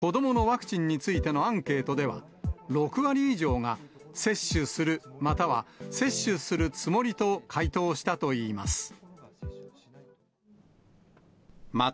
八王子市が保護者向けに行った、子どものワクチンについてのアンケートでは、６割以上が接種する、または接種するつもりと回答したといいます。